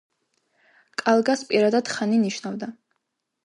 კალგას პირადად ხანი ნიშნავდა.